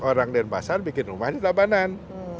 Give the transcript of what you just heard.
orang dan pasar bikin rumah di tabanan